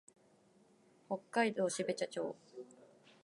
北海道標茶町